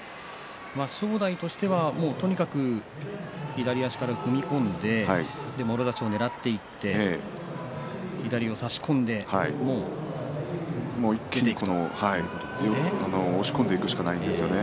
正代としてはとにかく左足から踏み込んでもろ差しをねらっていって左を差し込んで一気に出ていくということですね。